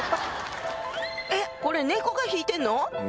えこれ猫が弾いてんの？